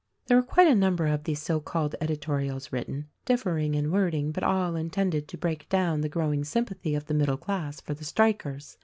There were quite a number of these so called edi torials written, differing in wording but all intended to break down the growing sympathy of the middle class for the strikers.